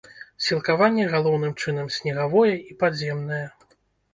Сілкаванне галоўным чынам снегавое і падземнае.